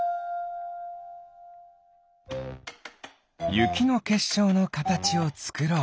ゆきのけっしょうのかたちをつくろう。